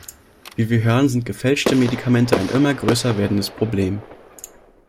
Wie wir hören, sind gefälschte Medikamente ein immer größer werdendes Problem.